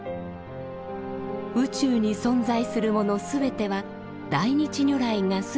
宇宙に存在するもの全ては大日如来が姿をかえたもの。